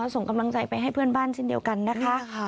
ส่งกำลังใจไปให้เพื่อนบ้านเช่นเดียวกันนะคะ